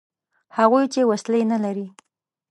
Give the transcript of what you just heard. هغوی چې وسلې نه لري.